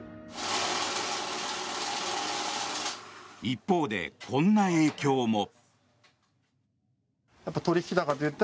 一方で、こんな影響も。